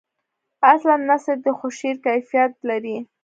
اصلاً نثر دی خو شعری کیفیت لري.